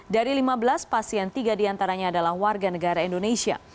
dari lima belas pasien tiga diantaranya adalah warga negara indonesia